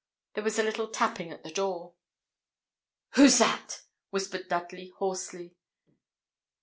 There was a little tapping at the door. 'Who's that?' whispered Dudley, hoarsely.